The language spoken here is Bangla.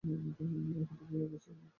অকুতোভয় অবস্থায় মুক্তভাবে ব্যাটিং করতেন।